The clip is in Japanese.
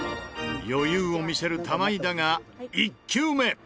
余裕を見せる玉井だが１球目。